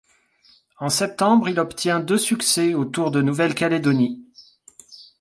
En septembre, il obtient deux succès au Tour de Nouvelle-Calédonie.